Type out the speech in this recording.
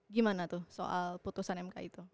gimana tuh soal putusan mk itu